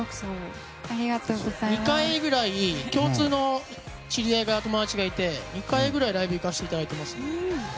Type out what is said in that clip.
２回ぐらい共通の友達がいて２回ぐらいライブに行かさせてもらってます。